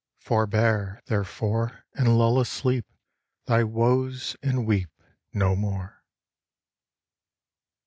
Forbear, therefore, And lull asleep Thy woes, and weep No more.